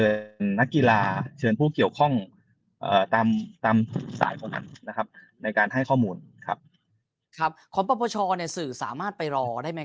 อีกที่เกี่ยวข้อมูลตามตามสายคนนะครับในการให้ข้อมูลครับครับของประผลของในสื่อสามารถไปรอได้ไหม